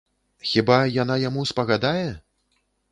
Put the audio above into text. Хіба яна яму спагадае?